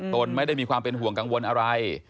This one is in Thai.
ตนไม่ได้มีความเป็นห่วงกังวลอะไร